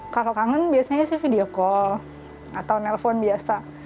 kalau kangen biasanya sih video call atau nelpon biasa